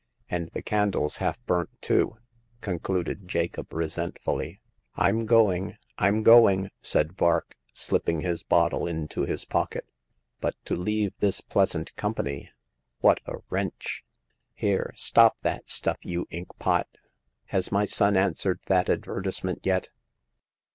And the candle's half burnt too !" con cluded Jacob, resentfully. Fm going— Fm going," said Vark, slipping his bottle into his pocket. " But to leave this pleas ant company — what a wrench !"Here, stop that stuff, you inkpot ! Has my son answered that advertisement yet